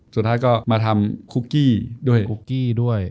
สุดท้ายก็มาทำคุกกี้ด้วย